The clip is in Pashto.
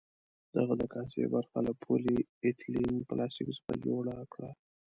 د هغه د کاسې برخه له پولي ایتلین پلاستیک څخه جوړه کړه.